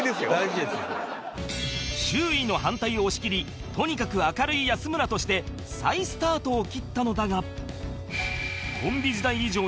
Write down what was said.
周囲の反対を押し切りとにかく明るい安村として再スタートを切ったのだが